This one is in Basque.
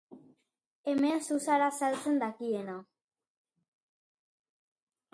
Hemen zu zara saltzen dakiena.